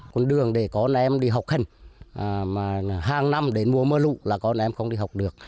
con đường để con em đi học hành mà hàng năm đến mùa mưa lụ là con em không đi học được